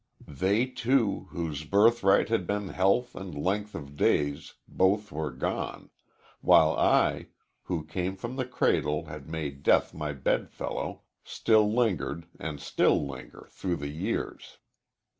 They two, whose birthright had been health and length of days, both were gone, while I, who from the cradle had made death my bed fellow, still lingered and still linger through the years.